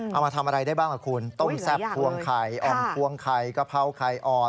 เอามาทำอะไรได้บ้างล่ะคุณต้มแซ่บพวงไข่อ่อมพวงไข่กะเพราไข่อ่อน